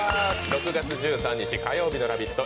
６月１３日火曜日の「ラヴィット！」。